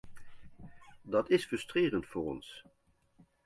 Dat is frustrerend voor ons.